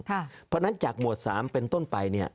เพราะฉะนั้นจากหมวด๓เป็นต้นไป